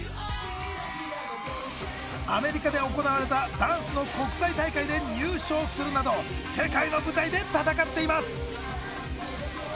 アメリカで行われたダンスの国際大会で入賞するなど世界の舞台でたたかっています。